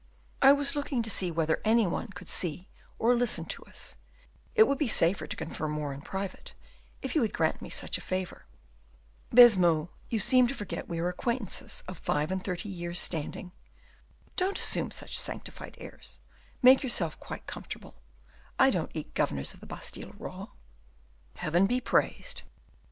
"I was looking to see whether any one could see or listen to us; it would be safer to confer more in private, if you would grant me such a favor." "Baisemeaux, you seem to forget we are acquaintances of five and thirty years' standing. Don't assume such sanctified airs; make yourself quite comfortable; I don't eat governors of the Bastile raw." "Heaven be praised!"